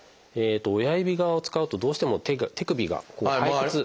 親指側を使うとどうしても手首がこう反発。